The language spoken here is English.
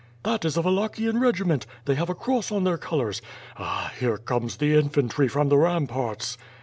"That is a Wallachian regiment! They have a cross on their colors!'^ "Ah! here comes the infantry from the ramparts!"